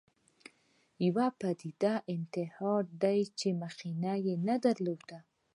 یوه پدیده انتحار دی چې مخینه نه درلوده